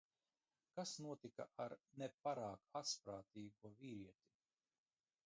Kas notika ar ne pārāk asprātīgo vīrieti?